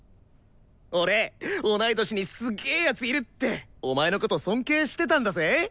俺「同い年にすげ奴いる」ってお前のこと尊敬してたんだぜ。